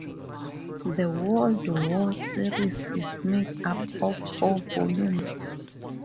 The Worldwar series is made up of four volumes.